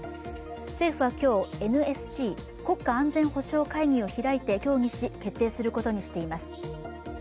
政府は今日、ＮＳＣ＝国家安全保障会議を開いて協議し、決定することにしています。